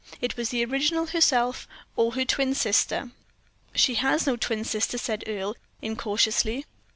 It was the original herself or her twin sister." "She has no twin sister," said Earle, incautiously.